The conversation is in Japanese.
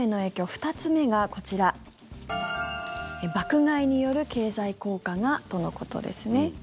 ２つ目がこちら爆買いによる経済効果がとのことですね。